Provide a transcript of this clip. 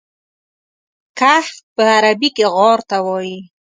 کهف په عربي کې غار ته وایي.